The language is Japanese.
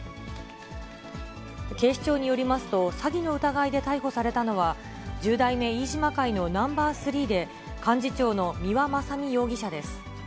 警視庁によりますと、詐欺の疑いで逮捕されたのは、十代目飯島会のナンバー３で、幹事長の三輪正美容疑者です。